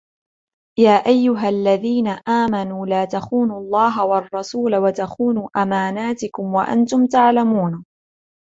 يَا أَيُّهَا الَّذِينَ آمَنُوا لَا تَخُونُوا اللَّهَ وَالرَّسُولَ وَتَخُونُوا أَمَانَاتِكُمْ وَأَنْتُمْ تَعْلَمُونَ